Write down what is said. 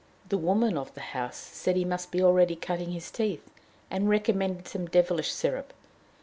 The woman of the house said he must be already cutting his teeth, and recommended some devilish sirup.